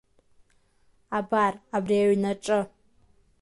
Абар, абри аҩнаҿы…